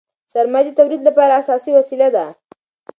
سرمایه د تولید لپاره اساسي وسیله ده.